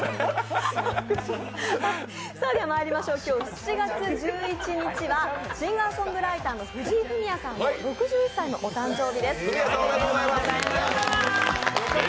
では今日７月１１日はシンガーソングライターの藤井フミヤさんの６１歳のお誕生日です。